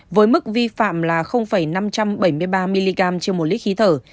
với mức vi phạm là năm trăm bảy mươi ba mg trên một lít khí thở